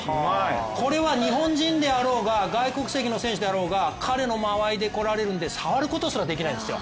これは日本人であろうが外国籍の選手であろうが彼の間合いで来られるので触ることすらできないんですよ。